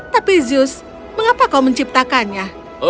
tapi zius mengapa kau menciptakannya